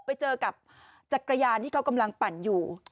ไปเจอกับจักรยานที่เขากำลังปั่นอยู่